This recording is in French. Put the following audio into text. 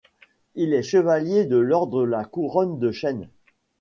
Il est chevalier de l'Ordre de la Couronne de chêne.